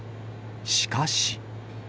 しかし。